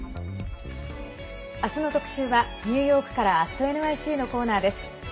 明日の特集はニューヨークから「＠ｎｙｃ」のコーナーです。